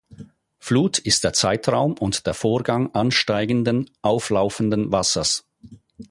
Flut ist der Zeitraum und der Vorgang ansteigenden, „auflaufenden“ Wassers.